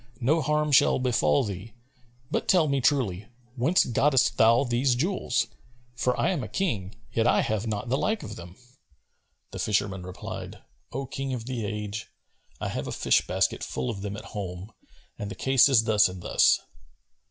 no harm shall befal thee; but tell me truly, whence gottest thou these jewels; for I am a King yet have I not the like of them." The fisherman replied, "O King of the age, I have a fish basket full of them at home and the case is thus and thus."